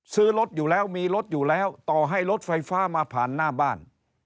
ซื้อรถอยู่แล้วมีรถอยู่แล้วต่อให้รถไฟฟ้ามาผ่านหน้าบ้าน